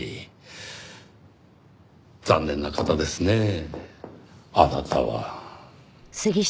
残念な方ですねぇあなたは。